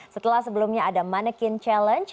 setelah sebelumnya ada manekin challenge